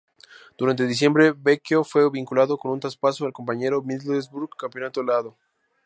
Durante diciembre, Becchio fue vinculado con un traspaso al compañero Middlesbrough Campeonato lado.